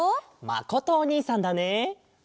まことおにいさんだね。